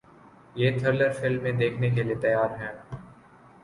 یہ تھرلر فلمیں دیکھنے کے لیے تیار ہیں